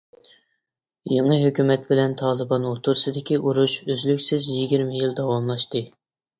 يېڭى ھۆكۈمەت بىلەن تالىبان ئوتتۇرىسىدىكى ئۇرۇش ئۈزلۈكسىز يىگىرمە يىل داۋاملاشتى.